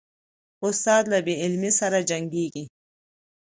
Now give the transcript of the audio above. استاد له بې علمۍ سره جنګیږي.